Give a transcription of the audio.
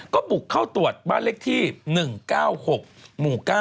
ก็บุกเข้าตรวจบ้านเลขที่๑๙๖หมู่๙